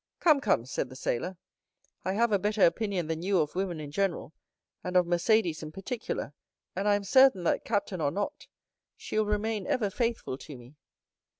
"Come, come," said the sailor, "I have a better opinion than you of women in general, and of Mercédès in particular; and I am certain that, captain or not, she will remain ever faithful to me."